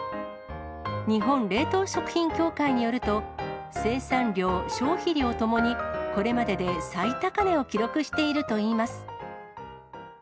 日本冷凍食品協会によると、生産量、消費量ともにこれまでで最高値を記録しているといいます。